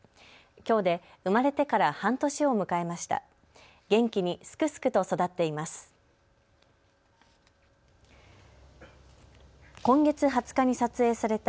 きょうで生まれてから半年を迎えました。